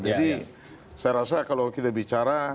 jadi saya rasa kalau kita bicara